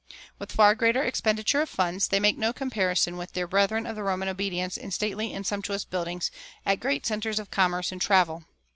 With far greater expenditure of funds, they make no comparison with their brethren of the Roman obedience in stately and sumptuous buildings at great centers of commerce and travel.